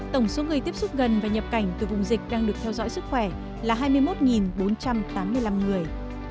tổng số người tiếp xúc gần và nhập cảnh từ vùng dịch đang được theo dõi sức khỏe là hai mươi một bốn trăm tám mươi năm người